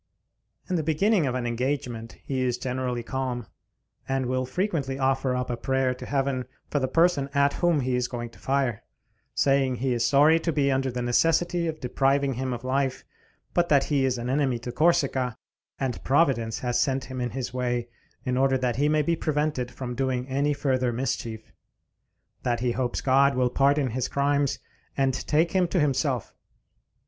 In the beginning of an engagement he is generally calm; and will frequently offer up a prayer to heaven for the person at whom he is going to fire; saying he is sorry to be under the necessity of depriving him of life, but that he is an enemy to Corsica, and Providence has sent him in his way in order that he may be prevented from doing any further mischief; that he hopes God will pardon his crimes and take him to Himself.